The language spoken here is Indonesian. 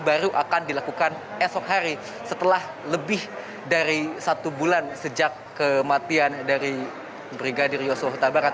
baru akan dilakukan esok hari setelah lebih dari satu bulan sejak kematian dari brigadir yosua huta barat